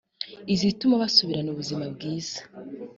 izituma basubirana ubuzima bwiza